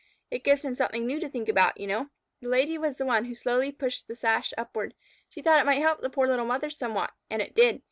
It gives him something new to think about, you know. The Lady was the one who slowly pushed the sash upward. She thought it might help the poor little mothers somewhat. And it did.